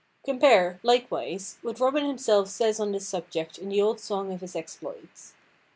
Compare, likewise, what Robin himself says on this subject in the old song of his exploits.